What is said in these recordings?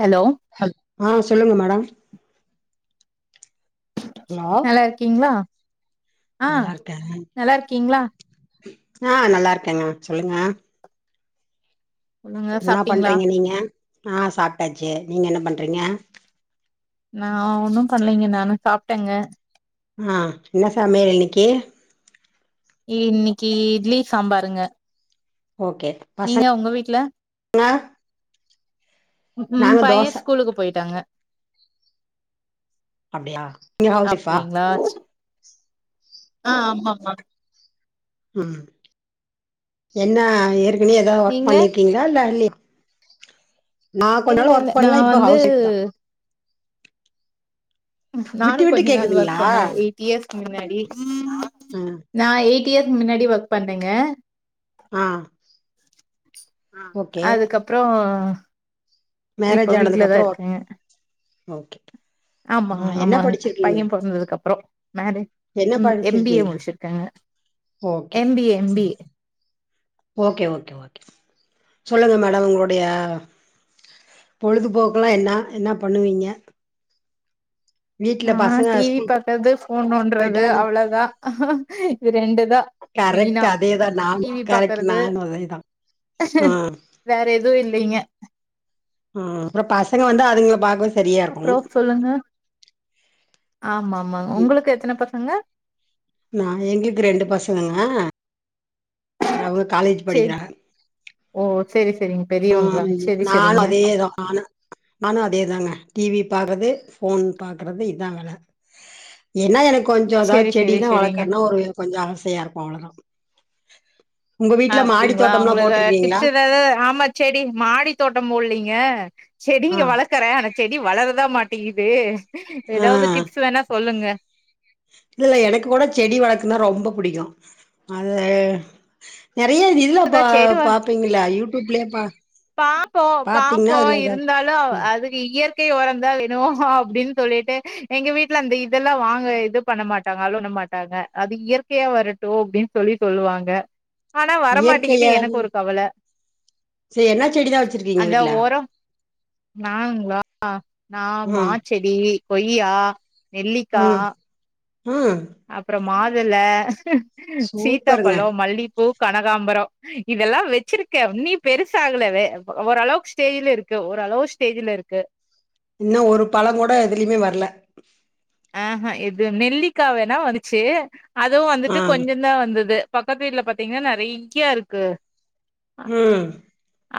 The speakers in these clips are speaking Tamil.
ஹலோ ஹ ஆ சொல்லுங்க மேடம் ஹலோ நல்லா இருக்கீங்களா ஆ நல்லா இருக்கே நல்லா இருக்கீங்களா ஆ நல்லா இருக்கேங்க சொல்லுங்க சொல்லுங்க என்ன சாப்ட்டீங்களா பண்றீங்க நீங்க ஆ சாப்ட்டாச்சு நீங்க என்ன பண்றீங்க நா ஒன்னு பண்லீங்க நானு சாப்டங்க ஆ என்ன சமையல் இன்னிக்கி இன்னிக்கி இட்லி சாம்பாருங்க ஓகே நீங்க பசங்க உங்க வீட்ல ம் பைய ஸ்கூலுக்கு போயிட்டாங்க அப்டியா நீங்க ஹவுஸ் ஒய்ஃபா அப்டிங்களா ஆ ஆமா ஆமா ம் என்ன இருக் நீ ஏதா‌ ஒர்க் நீங்க பண்ணிருக்கீங்களா இல்ல இல்லியா இல்ல இல்ல ஒர்க் நா பண்ணே இப்ப வந்து ஹவுஸ் ஒய்ஃப் தா நானு விட்டு விட்டு கொஞ்ச நாள் கேக்குதுங்களா ஒர்க் பண்ணங்க எயிட் இயர்ஸ்க்கு முன்னாடி ம் நா எயிட் ஏயிட் இயர்ஸ் முன்னாடி ஒர்க் பண்ணங்க ஆ ஓகே அதுக்கப்புறோ மேரேஜ் இப்ப ஆனதுக்கு வீட்லதா அப்புறோ ஒர்க் இருக்கங்க ஓகே ஆ ஆமாங்க என்ன ஆமாங்க படிச்சிருக்கீங்க பைய பொறந்ததுக்கு அப்புறோ மேரேஜ் என்ன எம் பி ஏ படிச்சிருக்கீங்க முடுச்சுருக்கங்க ஓகே சேரி சேரி ஓகே ஓகே ஓகே சொல்லுங்க மேடம் உங்களுடைய பொழுதுபோக்குல்லா என்ன என்ன பண்ணுவீங்க வீட்ல நா பசங்க டிவி ஸ்கூல் பாக்குறது ஃபோன் போயிட்டா நோன்றது என்ன அவ்வளோதா இது ரெண்டுதா கரெக்ட் மெயினா அதேதா நானு டிவி கரெக்ட் பாக்குறது நானு அதேதா ஆ வேற எதுவு இல்லிங்க ஆ அப்புறோ பசங்க வந்தா அதுங்களப் அப்புறோ சொல்லுங்க ஆமா ஆமா ம், உங்களுக்கு எத்தன பசங்க நா எங்களுக்கு ங்க அவங்க காலேஜ் படிக்கிறாங்க சேரிஸ் ம் நானு அதேதா நானும் நானு அதேதாங்க டிவி பாக்குறது ஃபோன் பாக்குறது இதா வேல என்னது எனக் கொஞ்சோ எதா சேரி சேரி செடிலா சேரிங்க வளக்கறனா ஒரு கொஞ்சோ ஆசையா இருக்கு அவ்ளதா அ அப்டிங்களா தோட்டம்லா உங்களுக்கு வேற போட்ருக்கீங்களா டிப்ஸ் ஏதாவது ஆமா செடி மாடி தோட்டம் போடுலிங்க செடிங்க ஆ வளக்கற ஆனா செடி வளரதா மாட் டீங்குது ஆ ஏதாவது டிப்ஸ் வேணா சொல்லுங்க இல்ல இல்ல எனக்கு கூட செடி வளக்குறதுனா ரொம்ப புடிக்கு அது நெறைய இதுல ஏதா செடி வ பாப் பாப்பீங்களா யூட் வீட்குள்ளயேபா பாப்போ பாப்போ இருந்தாலு ம் அதுக்கு இயற்கை ஒரந்தா வே னு அப்டின் சொல்லிட்டு எங்க வீட்ல அந்த இதெல்லா வாங்க இது பண்ண மாட்டாங்க அளோவ் பண்ண மாட்டாங்க அது இயற்கையா வரட்டு அப்டின் சொல்லி சொல்லுவாங்க ஆனா வரமாட்டேங்குது இயற்கையா எனக்கு ஒரு கவல சரி என்ன செடிதா வச்சிருக்கீங்க அந்த வீட்ல ஒரோ நாங்களா நா மா ம் செடி இ கொய்யா நெல்லிக்கா ஹம் மாதுள்ள சூப்பருங்க சீத்தாப்பழோ மல்லிப்பூ கனகாம்பரம் இதெல்லாம் வச்சிருக்கேன் நீ பெருசா ஆகலவே ஓரளவுக்கு ஸ்டேஜ்ல இருக்கு ஓரளவு ஸ்டேஜ்ல இருக்கு இன்னும் ஒரு பழம் கூட எதுலயுமே வரல ஆஹ்ஹா எது நெல்லிக்காவேனா வந்துச்சு அதுவும் ஆ வந்துட்டு கொஞ்சோ தான் வந்துச்சு பக்கத்து வீட்டுல பாத்தீங்கன்னா நெறைய இருக்கு ஹம்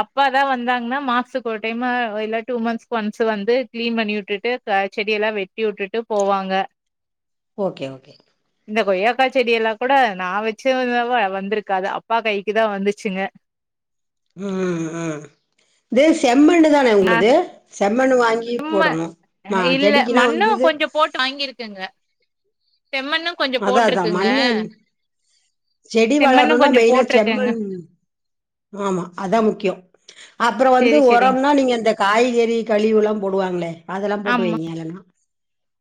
அப்பாதா வந்தாங்கன்னா மாசத்துக்கு ஒரு டைம்மு இல்ல டூ மந்த்ஸ்கு ஒன்ஸ் வந்து கிளீன் பண்ணி விட்டுட்டு செடியெல்லாம் வெட்டி விட்டுட்டு போவாங்க ஓகே இந்த கொய்யக்கா செடி எல்லாம் கூட நா வச்சு வந்திருக்காது அப்பா கைக்கு தா வந்துச்சுங்க உம் உம் இது செம்மண் இது தானே உங்களது செம் செம்மண்ணு வாங்கி சும்மா போடணும் இல்ல செடிக்குனா மண்ணு வந்தது கொஞ்சோ செம்மண்ணும் கொஞ்சம் அதா போட்டிருக்குங்க மண்ணு செடி வளரணும்னா மெயினா செம்மண் ஆமா அதா முக்கியம் அப்புறம் வந்து சேரி சேரிங் உரம்னா நீங்க இந்த காய்கறி கழிவுலாம் போடுவாங்களே அதெல்லாம் போட்டு ஆமா வைங்க இல்லன்னா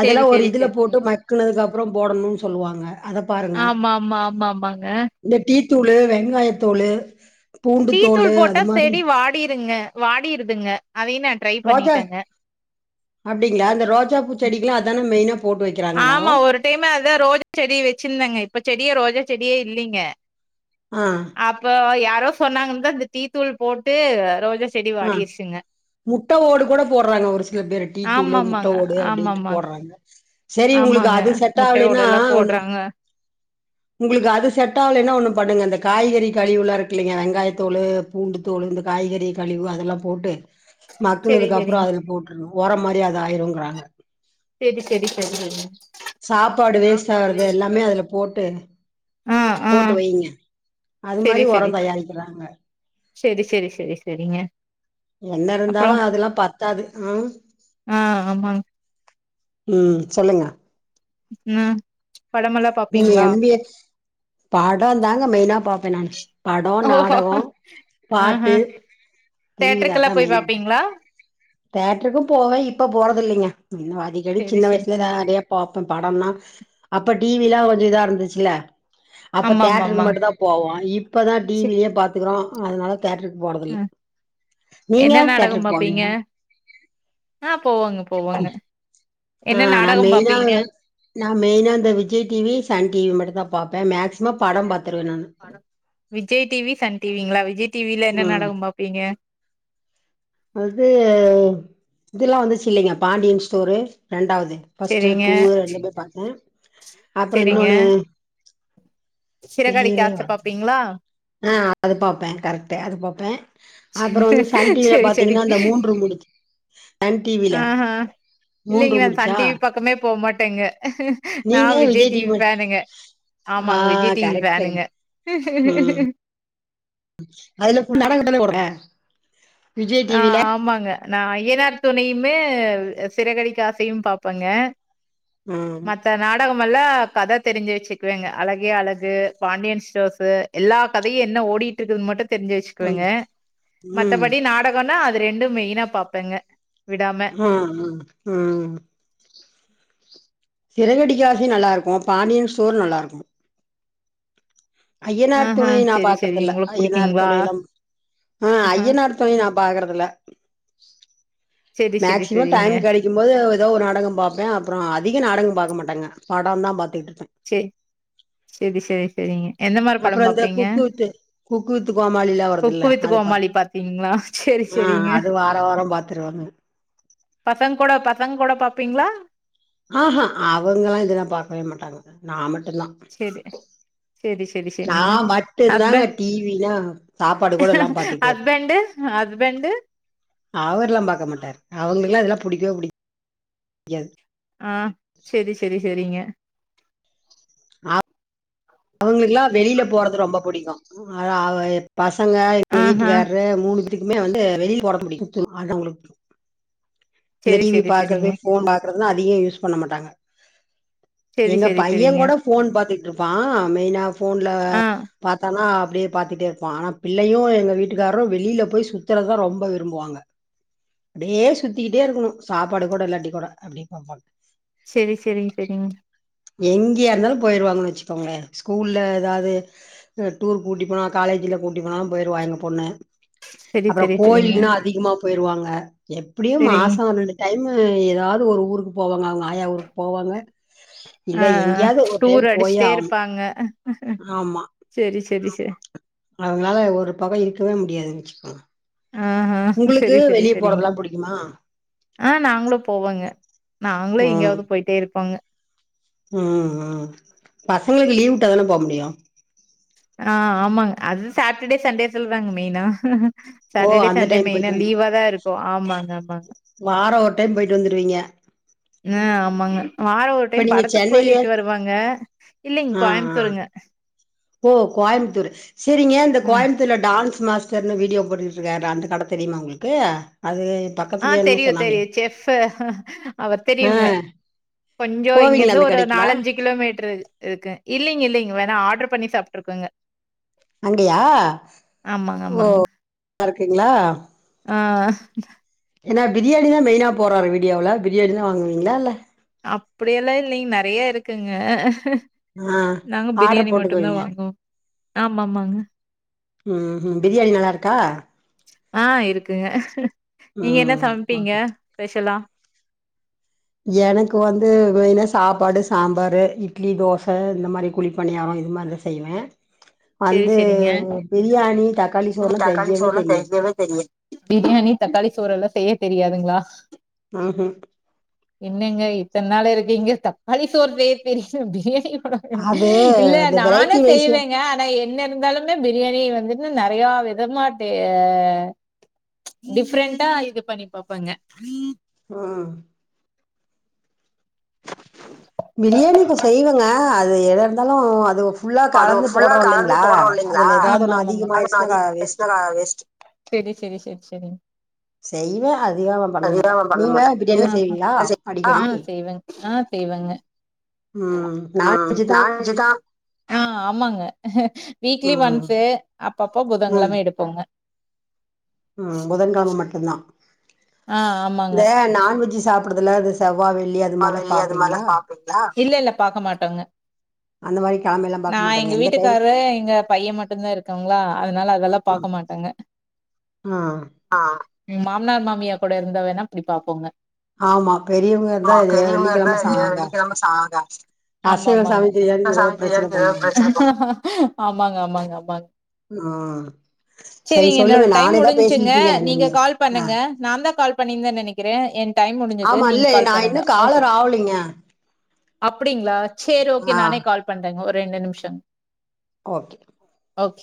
சேரி அதெல்லாம் ஒரு சேரி இதுல சேரி போட்டு மக்குனதுக்கு அப்புறம் போடணும்னு சொல்லுவாங்க அத பாருங்க ஆமா ஆமா ஆமாங்க இந்த டீத்தூளு வெங்காயத்தோலு பூண்டு டீ தோலு தூள் போட்டா அது மாரி செடி வாடிருங்க வாடிருதுங்க அதையு நா ட்ரை ரோஜா பண்ணிட்டேங்க அப்டிங்களா அந்த ரோஜா செடிக்கலாம் அதானே மெயினு ஆமா ஒரு டைம்மு அது வந்து ரோஜா செடி வெச்சுருந்தங்க இப்ப செடியே ரோஜா செடியே இல்லீங்க ஆ அப்ப யாரோ சொன்னாங்கன்தா அந்த டீ தூள் போட்டு ரோஜா செடி வாடிருச்சுங்க முட்ட ஓடு கூட போடுறாங்க ஒரு சில பேரு டீதூளு முட்ட ஆமாமாங்க ஓடு அப்டின்ட்டு ஆமாமாங்க போடுறாங்க சேரி உங்களுக்கு ஆமாங்க அது செட் முட்டையோட ஆவுலனா எல்லா போடுறாங்க உங்களுக்கு அது செட் ஆவுலனா ஒண்ணு பண்ணுங்க அந்த க காய்கறி கழிவுளா இருக்கு இல்லீங்க வெங்காயத்தோலு பூண்டு தோலு இந்த காய்கறி கழிவு அதெல்லா போட்டு செரி மக்கனதுக் அப்புறோ செரிங் அதுல போட்ருணு ஒரோ மாரி அது ஆயிருங்குறாங்க செரி செரி செரி செரிங்க சாப்பாடு வேஸ்ட் சாப்பாடு ஆகுறது வேஸ்ட் எல்லாமே ஆகுது அதுல போட்டு ஆ ஆ போட்டு வெயிங்க அது மாரி ஒரோ தயாரிக்கிறாங்க சேரி சேரி சேரி சேரிங்க என்ன இருந்தாலு அதெல்லா பத்தாது ம் ஆ ஆமாங்க ம் சொல்லுங்க ம் படமெல்லா நீங்க பாப்பீங்களா எம் பி ஏ படோ தாங்க மெயினா பாப் ப்ப நான்னு ஓஹோ ஆஆ தேட்டருக்கெல்லா போய் பாப்பீங்களா தேட்டருக்கு போவ இப்ப போறது இல்லீங்க அடிக்கடி செரி சின்ன செரி வயிசுலதா அதே பாப்போ படம்னா அப்ப டிவிலா கொஞ்சோ இதா இருந்துச்சுல அப்ப ஆமா ஆமா தேட்டருக்கு ஆமாங் மட்டுந்தா போவோ இப்பதா செ டிவிலயே பாத்துக்குறோ அதனால தேட்டருக்கு போறதுல்ல அ நீங்க என்ன நாடகம் தேட்டருக்கு பாப்பீங்க போவிங்களா ஆ போவோங்க போவோங்க ஆ என்ன நா நாடகம் மெயினா பாப்பீங்க நா மெயினா அந்த விஜய் டிவி சன் டிவி மட்டுந்தா பாப்பே மேக்சிமம் படம் பாத்துருவே நானு விஜய் டிவி சன் டிவிங்களா விஜய் டிவில என்ன ம் நாடகம் பாப்பீங்க இதுலா வந்துச்சு இல்லைங்க பாண்டியன் ஸ்டோரு ரெண்டாவது ஃபஸ்ட்டு செரிங்க டூவு ரெண்டுமே பாத்த அப்புறம் செரிங்க இன்னொன்னுங்க சிறகடிக்க ஆசை பாப்பீங்களா ஆஹ் அது பாப்பேன் கரெகட் அது பாப்பேன் அப்புறம் வந்து சன் டிவில செரி செரி பாத்தீங்கன்னா அந்த மூன்று முடிச்சு சன் டிவில ஆஹா மூன்று முடிச்சா எங்க நீங்க விஜய் டிவி மட்டும் ஆமாங்க ஆஹ் விஜய் டிவி கரெக்ட் உம் ஃபேனுங்க அதுல ஃபுல் நாடகம் தானே ஓடும் [inaudible] ஆஹ் ஆமாங்க நான் ஐயனார் துணை மே சிறகடிக்க ஆசையும் பாப்பேங்க உஹம் அண்ணாமல கதை தெரிஞ்சு வச்சுக்குவேங்க அழகே அழகு பாண்டியன் ஸ்டோர்ஸ்சு எல்லா கதையும் என்ன ஓடிட்டு இருக்குதுனு மட்டும் தெரிஞ்சு வச்சுக்குவேங்க ம் ம் மத்தபடி நாட்டு நான் அது ரெண்டும் மெயினா பாப்பேங்க விடாம. ஹம் உஹம் உ சிறகடிக்க ஆசைநல்லா இருக்க பாண்டியன் ஸ்டோர் நல்லா இருக்கும் ஐயனார் ஆஹா. துணை நான் சரி, சரி. பாக்கறது இல்ல உங்களுக்கு ஐயனார் புடிக்குங்களா? துணையிலும் ஆஹ் ஆஹா. ஐயனார் துணை நான் பாக்கறதுல சரி, சரி, மேக்சிமம் சரிங்க. டைம் கிடைக்கும் போது ஏதோ ஒரு நாடகம் பார்ப்பேன் அப்புறம் அதிக நாடகம் பார்க்க மாட்டேன் படம் தான் பாத்துட்டு செரி செரி செரி செரிங்க அப்புறம் இந்த குக்கு வித்து குக்கு வித்து கோமாளில குக்கு வறதுல வித் அது பாத்து கோமாளி பாத்தீங்களா? சரி, ஆஹ் சரிங்க. அது வார வாரம் பாத்துருவாங்க பசங்க கூட பசங்க கூட பார்பப்பீங்களா ஆஹஹ அவங்காம் இதெல்லாம் பார்கக்கவே மாட்டாங்க நான் மட்டும் செரி செரி ச நான் மட்டும்தாங்க டிவிலாம் சாப்பாடு கூட இல்லாம பாத்துக்கிட்டே இருப்பேன் ஹஸ்பண்டு ஹஸ்பண்டு அவர் எல்லாம் பார்கக்க மாட்டாரு அவங்களுக்கு இதெல்லாம் புடிக்கவவே புடி எஸ் ஆ சேரி சேரி சேரிங்க ஆ அவங்களுக்கெல்லா வெளியில போறது ரொம்ப புடிக் [unintelligible] பசங்க எங்க ஆஹா வீட்டுக்கார்ரு மூணுப் ட்டுக்குமே வந்து வெளில போட [unintelligible] இந்த செரி டிவி செரி பாக்குறது செரிங்க ஃபோன்‌ பாக்குறது னோ அதிகோ யூஸ் பண்ண மாட்டாங்க செரி எங்க செரி பையங் செரிங்க கூட ஃபோன் பாத்துட்டு இருப்பா மெயினா ஃபோன்ல ஆ பாத்தனா அப்டியே பாத்துட்டே இருப்பா ஆனா பிள்ளையு எங்க வீட்டுக்கார்ரு வெளில போய் சுத்துரதா ரொம்ப விரும்புவாங்க அப்டியே சுத் ட்டே இருக்கணு சாப்பாடு கூட இல்லாட்டி கூட அப்டின் பாப்பாங் செரி செரிங் செரிங் எங்கயா இருந்தாலு போயிருவாங்கன் வெச்சுக்கோங்களே ஸ்கூல்ல ஏதாவது டூர் கூட்டி போனா காலேஜ்ல கூட்டி போனாலு போயிருவாங்க எங்க பொண்ணு செரி அப்புறோ செரி செரிங்க கோயில்னா அதிகமா போயிருவாங்க எப் எப்டியும் செரிங் மாசோ ஒரு ரெண்டு டைம் மு எதாவது ஒரு ஊருக்கு போவாங்க அவங்க ஆயா ஊருக்கு போவாங்க ஆ இல்ல எங்கேயாவது ஒரு டைம் டூர் போயே அடிச்சுட்டே ஆகணு இருப்பாங்க ஆமா செரி செரி செ அவங்களால ஒரு பக்கோ இருக்கவே முடியாதுங் ம் ஆஹா சேரி சேரி சேரிங் புடிக்குமா ஆ நாங்களு போவோங்க நாங்களு ம் எங்கயாவது போயிட்டே இருப்போங்க ம் ம் பஸ் ஸ்கூல் லீவ் விட்ட தான போவ முடியு ஆ ஆமாங்க அது சாட்டர்டே சண்டே சொல்றாங்க மெயினா ஓ சாட்டர்டே அந்த சண்டே டைம் மெயினா போயிட்டு வந்து லீவாதா இருக்கு ஆமாங்க ஆமாங்க வாரோ ஒரு டைம் போயிட்டு வந்துருவீங்க ஆ ஆமாங்க வாரோ ஒரு இப்ப டைம் நீங்க படத்துக்கு சென்னையிலயே போயிட்டு வருவாங்க இல்லைங் ஆ ஆ கோயம்பத்தூருங்க ஓ கோயம்புத்தூரு சேரிங்க இந்த ம் கோயம்புத்தூர்ல டா டான்ஸ் மாஸ்டர்னு வீடியோ போட்டுட்டு இருக்காரு அந்த கட தெரியுமா உங்களுக்கு அது ஆ பக்கத்துலயே என்னமோ தெரியு சொன்னாங்களே தெரியு செஃப்பு அவ ஆ தெரியுங்க கொஞ்சோ போவீங்களா இங்கிருந்து அந்த ஒரு கடைக்குலா நாலஞ்சு கிலோமீட்டரு இருக்கு இல்லைங்க இல்லைங்க வேணா ஆ ஆடர் பண்ணி சாப்ட்ருக்கோங்க அங்கயா ஆமாங்க ஓ ஆமாங்க இருக்குங்களா ஆ ஏன்னார பிரியாணிதா மெயினா போர்றாரு வீடியோல பிரியணிதா வாங்குவீங்களா இல்ல அப்டியெல்லா இல்லீங்க நறைய இருக்குங்க ஆ நாங்க ஆடர் பிரியாணி மட்டுந்தா போட்டுக்குவீங்க வாங்குவோ ஆமா ஆமாங்க ம்ம் பிரியாணி நல்லா இருக்கா ஆ இருக்குங்க நீங்க என்ன ம் சமைப்பீங்க ஓகே ஸ்பெஷலா எனக்கு வந்து இப்போ என்னஸ் சாப்பாடு சாம்பாரு இட்லி தோச இந்த மாரி குழி பணியாரோ இது மாரிதா செய்வ வந்து பிரியாணி தக் எனக்கு தக்காளி சோறு எல்லா செய்யவே தெரியது பிரியாணி தக்காளி சோறெல்ல செய்ய தெரியாதுங்களா ஆஹா என்னங்க இத்தன நாள் இருக்கிங்க தாக்களி சோறு செய்ய தெரியாது பிரியாணி அது இல்ல அந்த நானு வெரைட்டி ரைஸ்ல செய்வேங்க ஆனா என்னன் இருந்தாலுமே பிரியாணி வந்துட்டு நறைய விதமா டிஃப்ரெண்டா இது பண்ணி பாப்பாங்க ஆ பிரியாணி இப்ப செய்வங்க அது எதா இருந்தாலு அது ஃபுல்லா கலந்து போடுறோ இல்லைங்களா அதுல ஏதாவது ஆமா ஒன்னு மாமா அதிகமாயிடுச்சுன்னா வேஸ்ட்டு சேரி சேரி சேரி சேரிங் செய்வே அதிகமா பண்ண மாட்டே ம் நீங்க பிரியாணிலா ம் செய்வீங்களா அடிக்கடி? ம் செய்வங் ஆ செய்வங்க ம் நாலஞ்சுதா ஆ ஆமாங்க வீக்லி ஒன்ஸு அப்பப்ப ம் புதங்கெழம எடுப்போங்க ம் புதங்கெழம மட்டுந்தா ஆஹ் இந்த நான்வெஜ்ஜு சாப்புடுறதுல அது செவ் செவ்வா வெள்ளி அது மாரியெல்லா பாப்பீங்களா இல்ல இல்ல பாக்க மாட்டோங்க அந்த மாரி கெழம எல்லா பாக்க நான் மாட்டீங்க எங்க எந்த டைம் வீட்டுக்காரு எங்க பையன் மட்டும்தான் இருக்கோங்களா அதனால அதெல்லாம் பாக்க ம் மாட்டேங்க ஆ ஆ ம் மாமனார் மாமியா கூட இருந்தா வேணா அப்டி பாப்போங்க ஆமா பெரியவங்க இருந்தா ஆமா இது பெரியவங்க இருந்தா வெள்ளிக்கிழம சாகா வெள்ளிக்கிழம சாகா ஆமா ஆமாங்க [unintelligible] பண்ணுவாங்க பிரச்சனை ஆமாங்க ஆமாங்க ஆமாங்க ம் செரி சரி என்னோட சொல்லுங்க டைம் நானேதா முடிஞ்சிங்க பேசிட்டு இருக்கே நீங்க கால் ஆ பண்ணுங்க நான் தான் கால் பண்ணியிருந்தேனு நெனக்கிறேன் ஏ டைம் முடிஞ்சது நீங்க கால் பண்ணுங்க இன்னும் ஓகே காலர் ஆவலிங்க அப்டிங்களா சேரி ஓகே நானே கால் பண்றேங்க ஒரு ரெண்டு நிமிஷம் ஓகே ஓகே